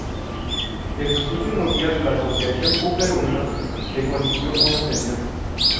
En sus últimos días la asociación Cooper Union le consiguió una pensión.